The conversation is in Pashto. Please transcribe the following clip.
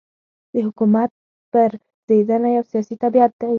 د حکومت پرځېدنه یو سیاسي طبیعت دی.